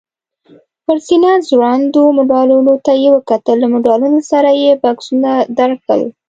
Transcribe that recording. پر سینه ځوړندو مډالونو ته یې وکتل، له مډالونو سره یې بکسونه درکړل؟